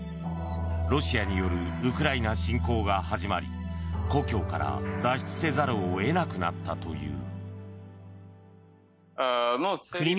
ロシアによるウクライナ侵攻が始まり故郷から脱出せざるを得なくなったという。